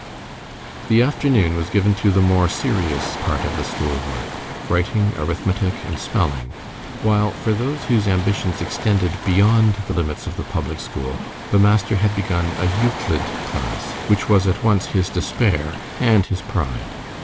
The afternoon was given to the more serious part of the school work writing, arithmetic, and spelling, while, for those whose ambitions extended beyond the limits of the public school, the master had begun a Euclid class, which was at once his despair and his pride.